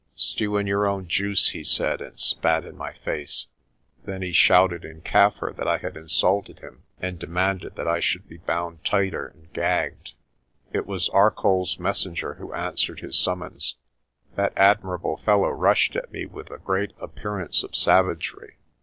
"Stew in your own juice," he said, and spat in my face. Then he shouted in Kaffir that I had insulted him, and de manded that I should be bound tighter and gagged. It was ArcolPs messenger who answered his summons. That admirable fellow rushed at me with a great appearance of savagery.